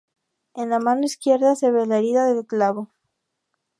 En la mano izquierda se ve la herida del clavo.